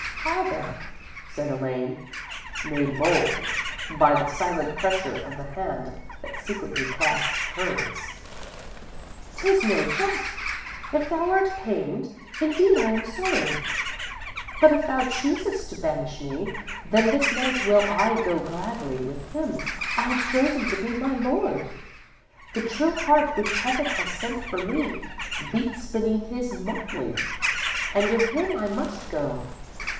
"_ _"Father," said Elaine, made bold by the silent pressure of the hand that secretly clasped hers, "'tis no jest. If thou art pained, indeed I am sorry, but if thou choosest to banish me, then this night will I go gladly with him I have chosen to be my lord. The true heart which Heaven has sent for me beats beneath his motley, and with him I must go.